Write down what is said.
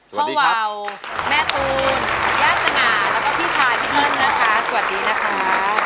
วาวแม่ตูนญาติสง่าแล้วก็พี่ชายพี่เปิ้ลนะคะสวัสดีนะคะ